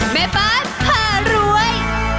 แม่บ้านผ่ารวย